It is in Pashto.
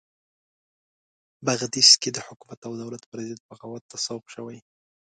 بغدیس کې د حکومت او دولت پرضد بغاوت ته سوق شوي.